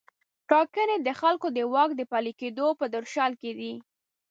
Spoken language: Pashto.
ټاکنې د خلکو د واک د پلي کیدو په درشل کې دي.